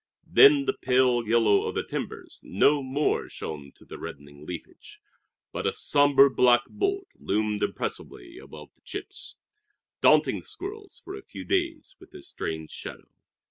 Then the pale yellow of the timbers no more shone through the reddening leafage, but a sombre black bulk loomed impressively above the chips, daunting the squirrels for a few days with its strange shadow.